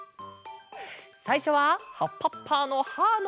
さいしょは「はっぱっぱのハーッ！」のえ。